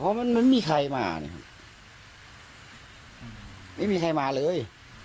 เพราะมันไม่มีใครมานะครับไม่มีใครมาเลย